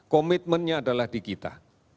komitmennya adalah di kita